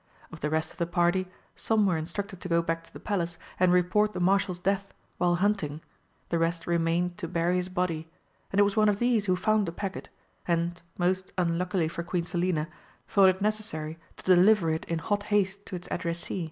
Of the rest of the party, some were instructed to go back to the Palace and report the Marshal's death while hunting, the rest remained to bury his body, and it was one of these who found the packet, and, most unluckily for Queen Selina, thought it necessary to deliver it in hot haste to its addressee.